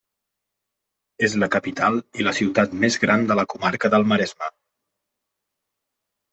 És la capital i la ciutat més gran de la comarca del Maresme.